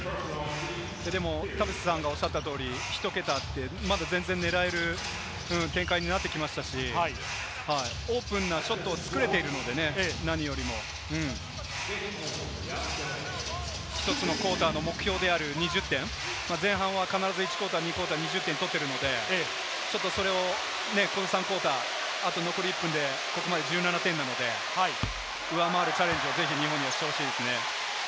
でも田臥さんがおっしゃった通り、ひと桁、まず全然狙える展開になってきましたし、オープンなショットを作れているので、何よりも１つのクオーターの目標である２０点前半は必ず１クオーター、２クオーター、２０点取ってるので、それをこの３クオーター、あと残り１分でここまで１７点なので、上回るチャレンジをぜひしてほしいですね。